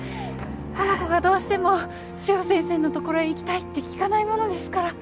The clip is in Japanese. この子がどうしても志保先生のところへ行きたいって聞かないものですから。